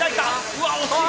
うわ惜しい！